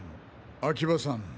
秋葉さん